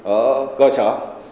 ở cơ sở